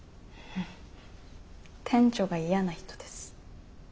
店長が嫌な人です。